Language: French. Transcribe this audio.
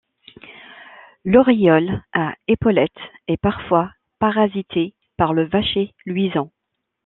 L’Oriole à épaulettes est parfois parasité par le Vacher luisant.